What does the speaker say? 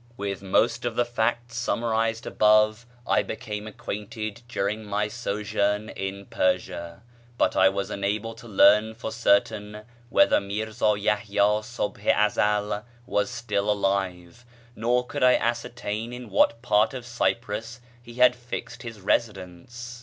With most of the facts summarized above I became acquainted during my sojourn in Persia, but I was unable to learn for certain whether Mírzá Yahyá Subh i Ezel was still alive, nor could I ascertain in what part of Cyprus he had fixed his residence.